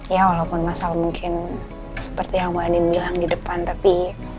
ya walaupun masalah mungkin seperti yang mbak adin bilang di depan tapi